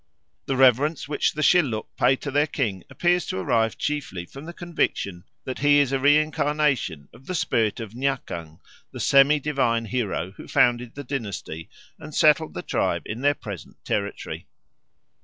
The reverence which the Shilluk pay to their king appears to arise chiefly from the conviction that he is a reincarnation of the spirit of Nyakang, the semi divine hero who founded the dynasty and settled the tribe in their present territory.